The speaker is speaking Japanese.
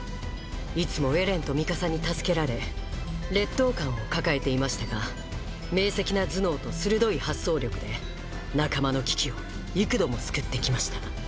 いつもエレンとミカサに助けられ劣等感を抱えていましたが明晰な頭脳と鋭い発想力で仲間の危機を幾度も救ってきました